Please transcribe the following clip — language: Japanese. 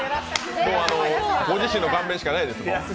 ご自身の顔面しかないです。